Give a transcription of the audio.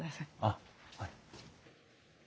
あっはい。